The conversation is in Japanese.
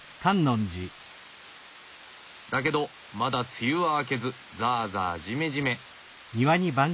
だけどまだ梅雨は明けずザーザージメジメ。